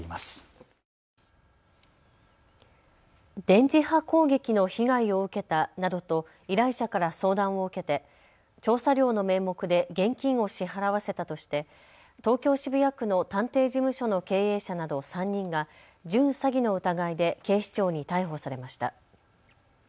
電磁波攻撃の被害を受けたなどと依頼者から相談を受けて調査料の名目で現金を支払わせたとして東京渋谷区の探偵事務所の経営者など３人が準詐欺の疑いで警視庁に逮捕されました。